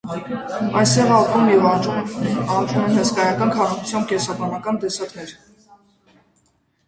Այստեղ ապրում և աճում են հսկայական քանակությամբ կենսաբանական տեսակներ։